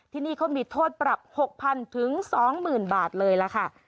ที่นี่เขามีโทษปรับ๖๐๐๐๒๐๐๐บาทเลยล่ะค่ะ